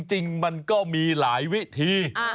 จริงมันก็มีหลายวิธี